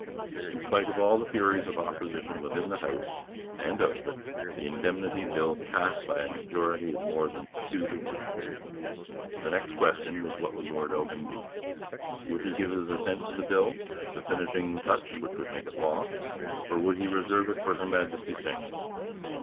In spite of all the furies of opposition within the House and out of it, the Indemnity Bill passed by a majority of more than two to one. The next question was what would Lord Elgin do? Would he give his assent to the bill, the finishing vice regal touch which would make it law, or would he reserve it for Her Majesty's sanction?